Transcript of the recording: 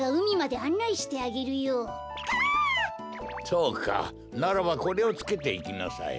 それかならばこれをつけていきなさい。